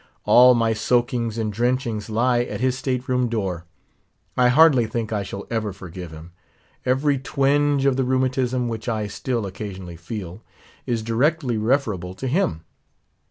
All my soakings and drenchings lie at his state room door. I hardly think I shall ever forgive him; every twinge of the rheumatism, which I still occasionally feel, is directly referable to him.